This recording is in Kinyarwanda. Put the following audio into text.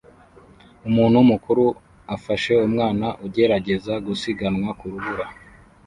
Umuntu mukuru afashe umwana ugerageza gusiganwa ku rubura